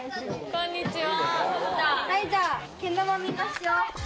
こんにちは。